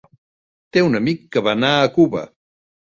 Té un amic que va anar a Cuba.